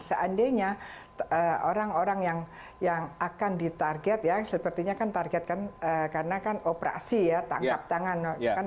seandainya orang orang yang akan ditarget ya sepertinya kan targetkan karena kan operasi ya tangkap tangan